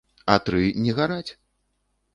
А тры не гараць!